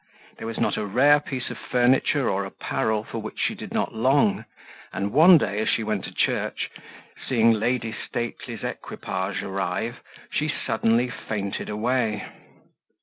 There was not a rare piece of furniture or apparel for which she did not long; and one day, as she went to church, seeing Lady Stately's equipage arrive, she suddenly fainted away.